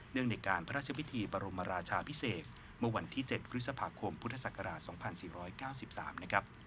เนื่องในการพระราชวิทธิปรมราชาพิเศษเมื่อวันที่๗คริสต์พภพุทธศักราช๒๔๙๓